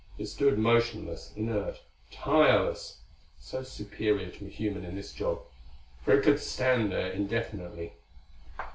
It stood motionless, inert, tireless so superior to a human in this job, for it could stand there indefinitely.